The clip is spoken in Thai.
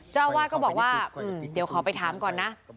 เจ้าอาวาสก็บอกว่าเดี๋ยวขอไปถามก่อนนะ